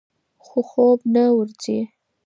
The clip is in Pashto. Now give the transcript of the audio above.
خو خوب نه ورځي.